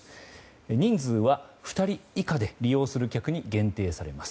人数は２人以下で利用する客に限定されます。